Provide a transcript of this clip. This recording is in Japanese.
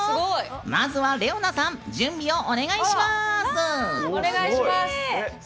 まずは、ＲｅｏＮａさん準備をお願いします！